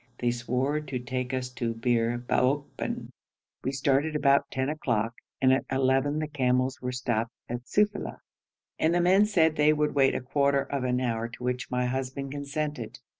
They swore to take us to Bir Baokban. We started about ten o'clock, and at eleven the camels were stopped at Sufeila, and the men said they would wait a quarter of an hour, to which my husband consented.